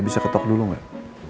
bisa ketok dulu gak